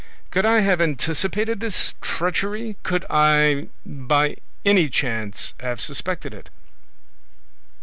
Could I have anticipated this treachery? Could I by any chance have suspected it?